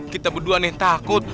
kita berdua nih takut